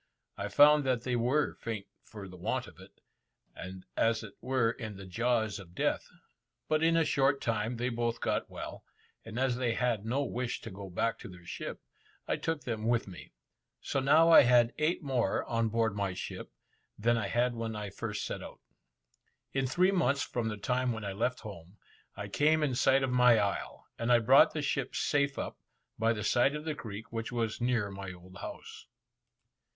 I found that they were faint for the want of it, and as it were in the jaws of death; but in a short time they both got well, and as they had no wish to go back to their ship, I took them with me. So now I had eight more on board my ship, than I had when I first set out. In three months from the time when I left home, I came in sight of my isle, and I brought the ship safe up, by the side of the creek, which was near my old house.